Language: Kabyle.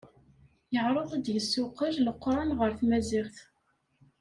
Yeɛreḍ ad d-yessuqel leqran ɣer tmaziɣt.